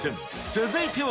続いては。